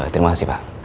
terima kasih pak